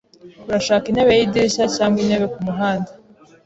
Urashaka intebe yidirishya cyangwa intebe kumuhanda?